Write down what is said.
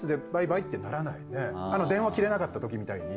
電話切れなかった時みたいに。